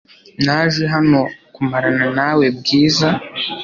Naje hano kumarana nawe .Bwiza